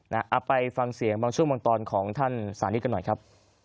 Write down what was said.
เอาไปฟังเสียงบางช่วงบางตอนของท่านสานิทกันหน่อยครับ